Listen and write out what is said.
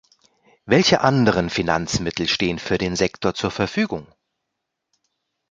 Welche anderen Finanzmittel stehen für den Sektor zur Verfügung?